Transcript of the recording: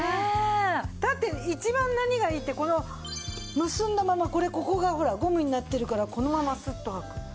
だって一番何がいいってこの結んだままこれここがほらゴムになってるからこのままスッと履く。